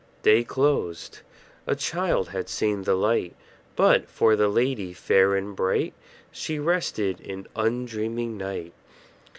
Day closed; a child had seen the light; But, for the lady fair and bright, She rested in undreaming night.